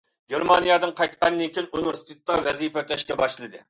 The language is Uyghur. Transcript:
گېرمانىيەدىن قايتقاندىن كېيىن ئۇنىۋېرسىتېتتا ۋەزىپە ئۆتەشكە باشلىدى.